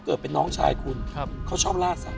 เกิดเป็นน้องชายคุณเขาชอบล่าสัตว